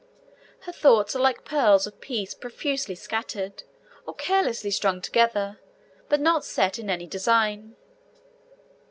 Her thoughts are like pearls of price profusely scattered, or carelessly strung together, but not set in any design.